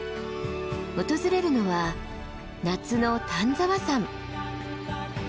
訪れるのは夏の丹沢山。